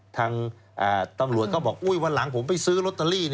ทางตำรวจก็บอกวันหลังผมไปซื้อลอตเตอรี่